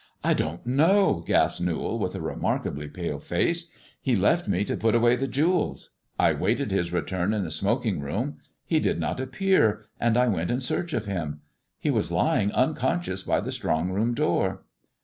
"I don't know," gasped Newall, with a remarkably pale face; he left me to put away the jewels. I waited his return in the smoking room. He did not appear, and I went in search of him. He was lying unconscious by the strong room door."